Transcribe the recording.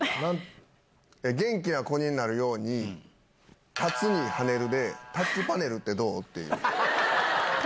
元気な子になるように、立つに跳ねるで、タッチパネルってどう？って。